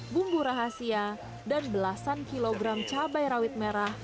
bumbu rahasia dan belasan kilogram cabai rawit merah